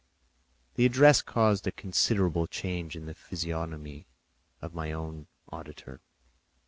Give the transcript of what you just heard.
This address caused a considerable change in the physiognomy of my own auditor.